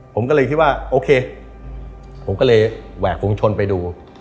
ผมก็เลยคิดว่าโอเคผมก็เลยแหวกฝุงชนไปดู